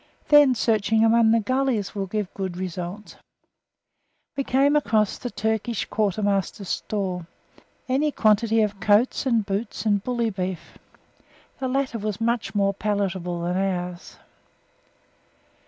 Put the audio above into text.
Then searching among the gullies will give good results. We came across the Turkish Quartermaster's store, any quantity of coats and boots and bully beef. The latter was much more palatable than ours.